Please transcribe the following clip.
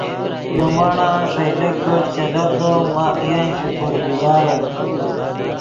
یو مڑآن ݰئیلے کڑ چلڤدو ماخ ین شکر گزارے